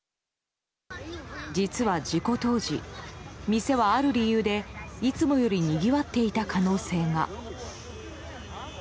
実は事故当時店は、ある理由でいつもよりにぎわっていた可能性が。